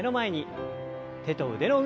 手と腕の運動から。